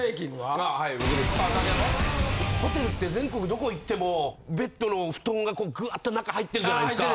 ホテルって全国どこ行ってもベッドの布団がぐわっと中入ってるじゃないですか。